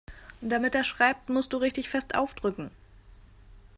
Damit er schreibt, musst du richtig fest aufdrücken.